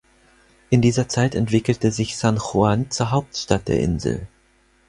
In dieser Zeit entwickelte sich San Juan zur Hauptstadt der Insel.